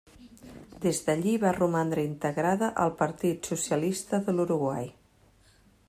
Des d'allí va romandre integrada al Partit Socialista de l'Uruguai.